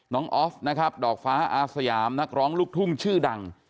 ออฟนะครับดอกฟ้าอาสยามนักร้องลูกทุ่งชื่อดัง